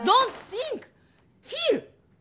フィール！